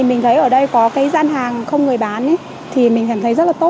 mình thấy ở đây có cái gian hàng không người bán thì mình cảm thấy rất là tốt